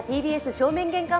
ＴＢＳ正面玄関